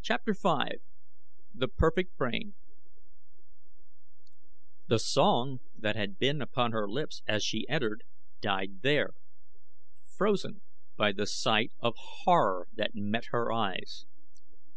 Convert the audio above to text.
CHAPTER V THE PERFECT BRAIN The song that had been upon her lips as she entered died there frozen by the sight of horror that met her eyes.